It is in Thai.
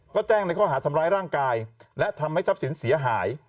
ก็แจ้งในข้อหาทำร้ายร่างกายและทำให้ทรัพย์สินเสียหาย